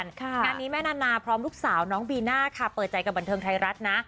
งานนี้แม่นานาพร้อมลูกสาวน้องบีน่าค่ะเปิดใจกับบันเทิงไทยรัฐนะ